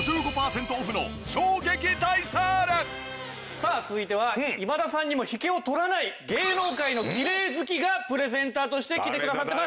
さあ続いては今田さんにも引けを取らない芸能界のきれい好きがプレゼンターとして来てくださってます。